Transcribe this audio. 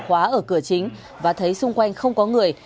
khóa ở cửa chính và thấy xung quanh không có người